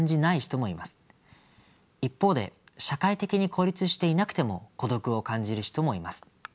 一方で社会的に孤立していなくても孤独を感じる人もいます。